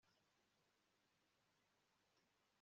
Mfite isoni zo kuvuga ko arukuri